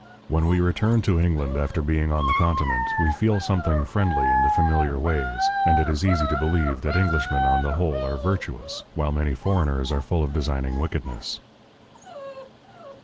When we return to England after being on the Continent, we feel something friendly in the familiar ways, and it is easy to believe that Englishmen on the whole are virtuous, while many foreigners are full of designing wickedness.